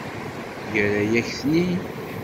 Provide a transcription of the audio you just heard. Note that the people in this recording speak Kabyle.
Yerra-yak-ten-id.